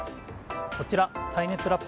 こちら耐熱ラップ